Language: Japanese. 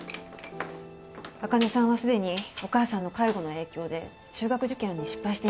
茜さんはすでにお母さんの介護の影響で中学受験に失敗しています。